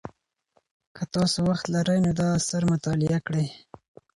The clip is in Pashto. که تاسو وخت لرئ نو دا اثر مطالعه کړئ.